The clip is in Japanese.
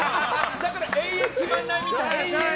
だから延々決まらないみたいな。